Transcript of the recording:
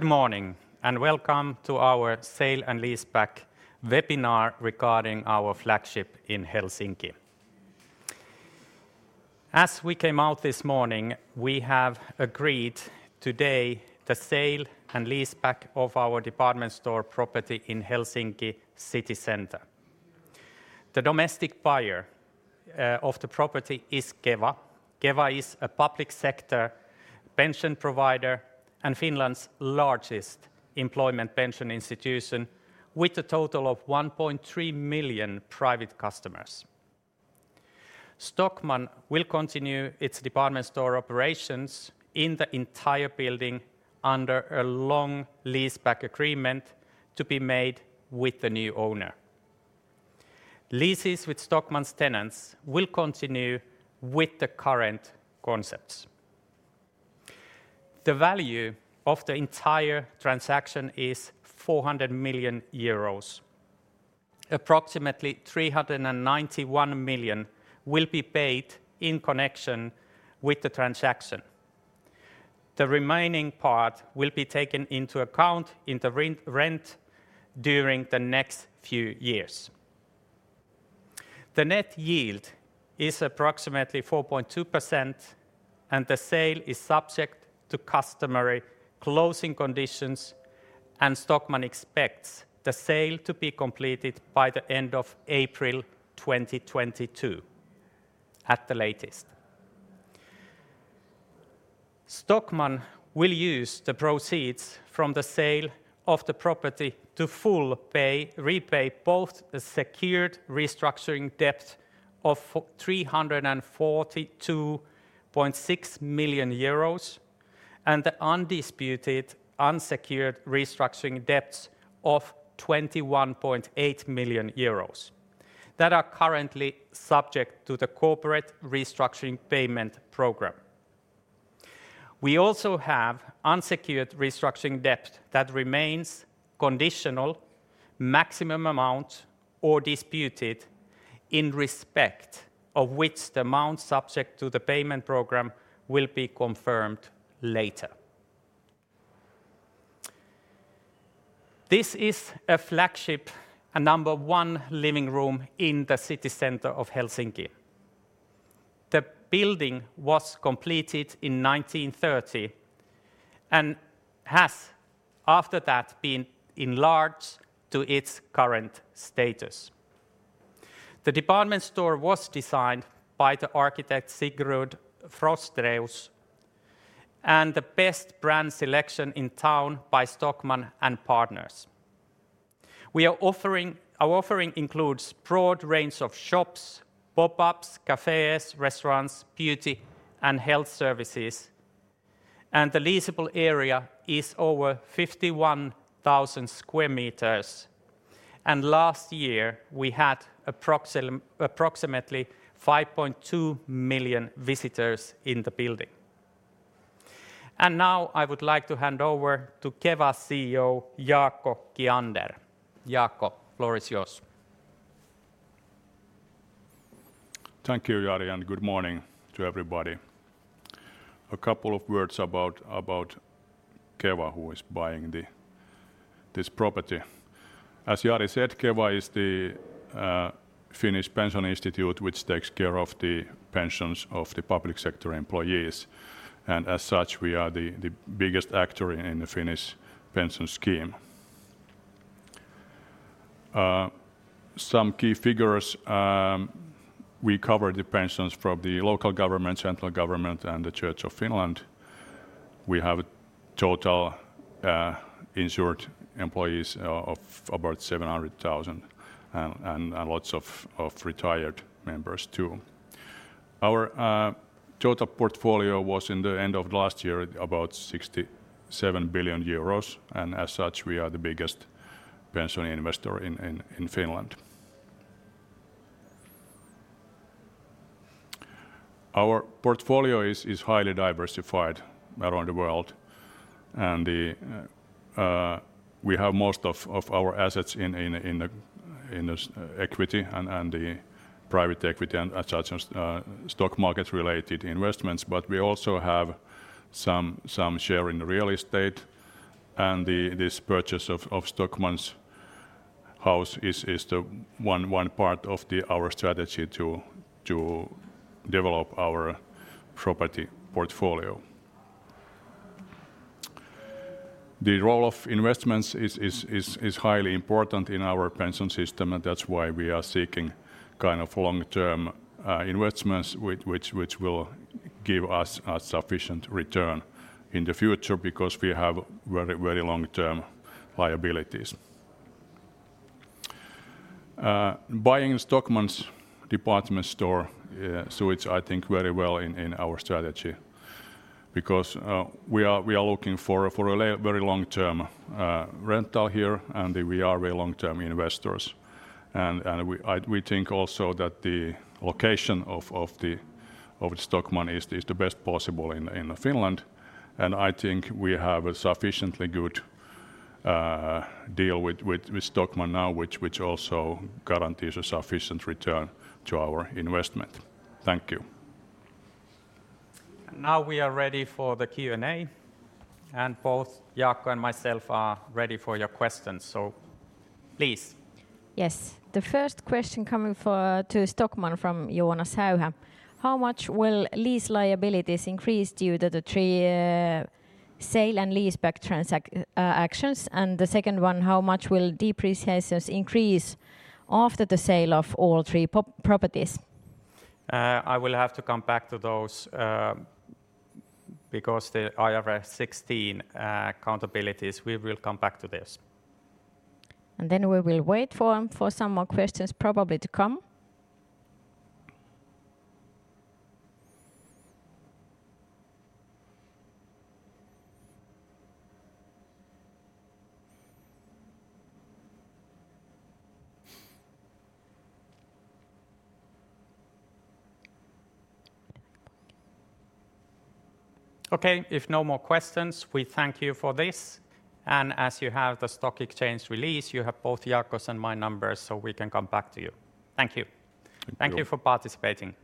Good morning, and welcome to our sale and leaseback webinar regarding our flagship in Helsinki. As we came out this morning, we have agreed today the sale and leaseback of our department store property in Helsinki city center. The domestic buyer of the property is Keva. Keva is a public sector pension provider and Finland's largest employment pension institution with a total of 1.3 million private customers. Stockmann will continue its department store operations in the entire building under a long leaseback agreement to be made with the new owner. Leases with Stockmann's tenants will continue with the current concepts. The value of the entire transaction is 400 million euros. Approximately 391 million will be paid in connection with the transaction. The remaining part will be taken into account in the rent during the next few years. The net yield is approximately 4.2%, and the sale is subject to customary closing conditions, and Stockmann expects the sale to be completed by the end of April 2022 at the latest. Stockmann will use the proceeds from the sale of the property to repay both the secured restructuring debt of 342.6 million euros and the undisputed unsecured restructuring debts of 21.8 million euros that are currently subject to the corporate restructuring payment program. We also have unsecured restructuring debt that remains conditional maximum amount or disputed in respect of which the amount subject to the payment program will be confirmed later. This is a flagship, a number one living room in the city center of Helsinki. The building was completed in 1930 and has after that been enlarged to its current status. The department store was designed by the architect Sigurd Frosterus and the best brand selection in town by Stockmann and partners. Our offering includes broad range of shops, pop-ups, cafes, restaurants, beauty and health services, and the leasable area is over 51,000 sq m. Last year we had approximately 5.2 million visitors in the building. Now I would like to hand over to Keva CEO Jaakko Kiander. Jaakko, floor is yours. Thank you, Jari, and good morning to everybody. A couple of words about Keva, who is buying this property. As Jari said, Keva is the Finnish pension institute which takes care of the pensions of the public sector employees. As such, we are the biggest actor in the Finnish pension scheme. Some key figures. We cover the pensions from the local government, central government, and the Church of Finland. We have total insured employees of about 700,000 and lots of retired members too. Our total portfolio was in the end of last year about 67 billion euros, and as such, we are the biggest pension investor in Finland. Our portfolio is highly diversified around the world, and we have most of our assets in this equity and the private equity and such as stock markets related investments. We also have some share in real estate and this purchase of Stockmann's house is one part of our strategy to develop our property portfolio. The role of investments is highly important in our pension system, and that's why we are seeking kind of long-term investments which will give us a sufficient return in the future because we have very long-term liabilities. Buying Stockmann's department store suits, I think, very well in our strategy because we are looking for a very long-term rental here, and we are very long-term investors. We think also that the location of Stockmann is the best possible in Finland. I think we have a sufficiently good deal with Stockmann now, which also guarantees a sufficient return to our investment. Thank you. Now we are ready for the Q&A, and both Jaakko and myself are ready for your questions. Please. Yes. The first question coming to Stockmann from Jonas Häyhä. How much will lease liabilities increase due to the three sale and leaseback actions? The second one. How much will depreciations increase after the sale of all three properties? I will have to come back to those because the IFRS 16 liabilities. We will come back to this. We will wait for some more questions probably to come. Okay. If no more questions, we thank you for this. As you have the stock exchange release, you have both Jaakko's and my numbers, so we can come back to you. Thank you. Thank you. Thank you for participating.